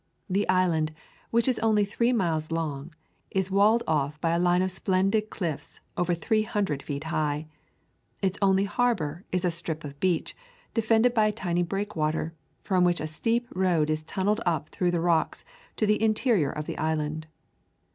The island, which is only three miles long, is walled by a line of splendid cliffs over three hundred feet high. Its only harbor is a strip of beach, defended by a tiny breakwater, from which a steep road is tunnelled up through the rocks to the interior of the island.